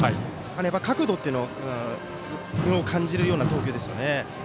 角度っていうのを感じるような投球ですよね。